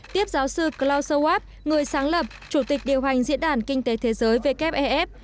tiếp giáo sư klaus schwab người sáng lập chủ tịch điều hành diện đàn kinh tế thế giới wf